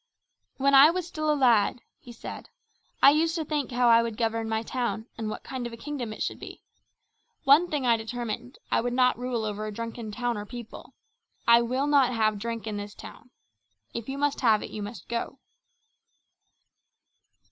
"When I was still a lad," he said, "I used to think how I would govern my town and what kind of a kingdom it should be. One thing I determined, I would not rule over a drunken town or people. I WILL NOT HAVE DRINK IN THIS TOWN. If you must have it you must go."